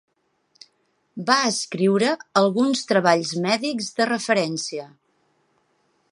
Va escriure alguns treballs mèdics de referència.